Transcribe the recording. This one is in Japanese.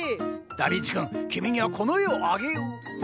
ダビンチ君君にはこの絵をあげよう！